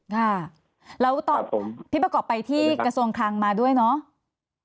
ค่ะแล้วตอนพี่ประกอบไปที่กระทรวงคลังมาด้วยเนาะ